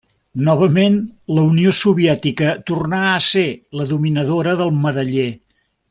Novament la Unió Soviètica tornà a ser la dominadora del medaller.